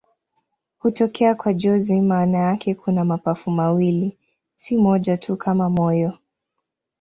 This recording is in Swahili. Hutokea kwa jozi maana yake kuna mapafu mawili, si moja tu kama moyo.